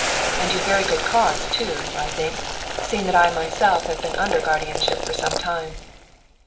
"And you've very good cause, too, I think, seeing that I myself have been under guardianship for some time."